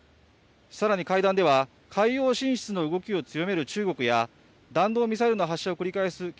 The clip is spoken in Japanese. さらに会談では海洋進出の動きを強める中国や弾道ミサイルの発射を繰り返す